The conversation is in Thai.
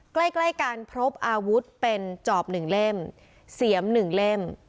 ใกล้ใกล้กันพบอาวุธเป็นจอบหนึ่งเล่มเสียม๑เล่ม